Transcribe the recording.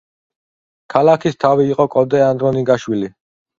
ქალაქის თავი იყო კოტე ანდრონიკაშვილი.